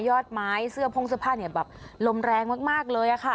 ยอดไม้เสื้อโพงเสื้อผ้าแบบล้มแรงมากเลยค่ะ